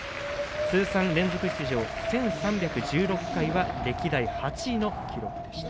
通算出場１３１６回は歴代８位の記録でした。